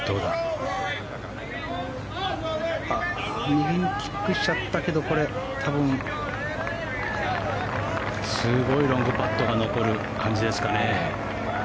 右にキックしちゃったけどすごいロングパットが残る感じですかね。